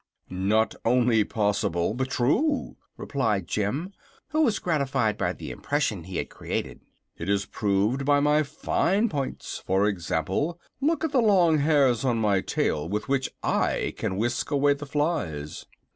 "Not only possible, but true," replied Jim, who was gratified by the impression he had created. "It is proved by my fine points. For example, look at the long hairs on my tail, with which I can whisk away the flies."